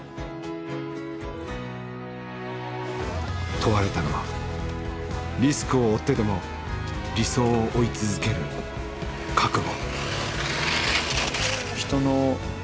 問われたのはリスクを負ってでも理想を追い続ける覚悟。